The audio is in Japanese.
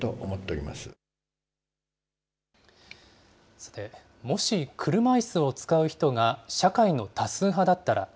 さて、もし車いすを使う人が社会の多数派だったら。